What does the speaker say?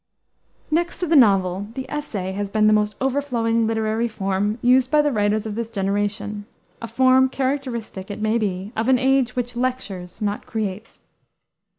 Next to the novel, the essay has been the most overflowing literary form used by the writers of this generation a form, characteristic, it may be, of an age which "lectures, not creates."